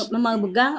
memegang peran penting